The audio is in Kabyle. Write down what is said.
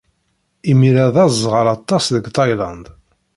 Imir-a d aẓɣal aṭas deg Tayland.